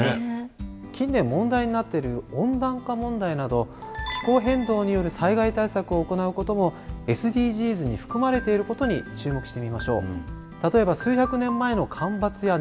近年問題になってる温暖化問題など気候変動による災害対策を行うこともＳＤＧｓに含まれていることに注目してみましょう。